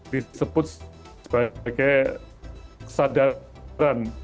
disebut sebagai kesadaran